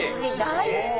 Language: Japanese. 大好き！